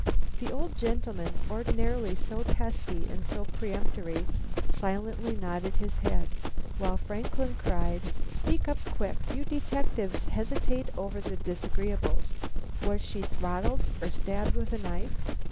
The old gentleman, ordinarily so testy and so peremptory, silently nodded his head, while Franklin cried: "Speak up quick. You detectives hesitate so over the disagreeables. Was she throttled or stabbed with a knife?"